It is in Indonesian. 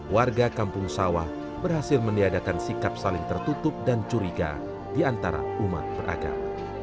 warga kampung sawah berhasil meniadakan sikap saling tertutup dan curiga diantara umat beragam